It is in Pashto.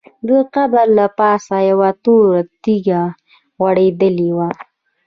د قبر له پاسه یوه توره ټوټه غوړېدلې وه.